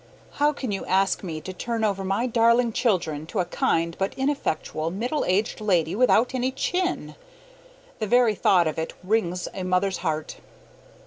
How can you ask me to turn over my darling children to a kind, but ineffectual, middle aged lady without any chin? The very thought of it wrings a mother's heart.